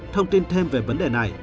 thông tin thêm về vấn đề này